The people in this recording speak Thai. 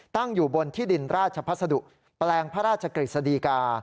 ตั้งอยู่บนที่ดินราชภัสดุแปลงพระราชกฤษฎีกา